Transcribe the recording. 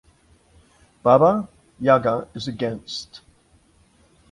Baba Yaga is against!